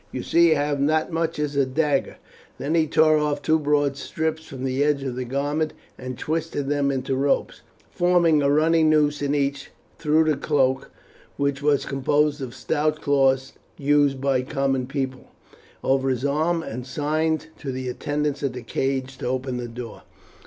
"You see I have not as much as a dagger." Then he tore off two broad strips from the edge of the garment and twisted them into ropes, forming a running noose in each, threw the cloak, which was composed of the stout cloth used by the common people, over his arm, and signed to the attendants at the cage to open the door.